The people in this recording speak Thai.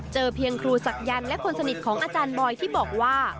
เพียงครูศักยันต์และคนสนิทของอาจารย์บอยที่บอกว่า